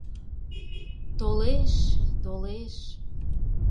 — Толе-еш, толеш...